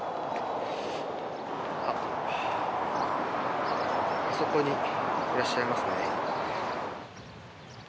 あそこにいらっしゃいますね。